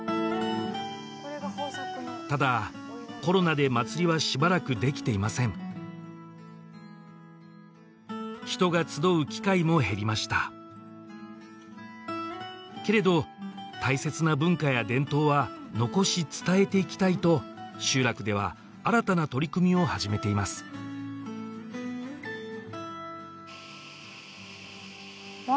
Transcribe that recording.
ただコロナで祭りはしばらくできていません人が集う機会も減りましたけれど大切な文化や伝統は残し伝えていきたいと集落では新たな取り組みを始めていますわあ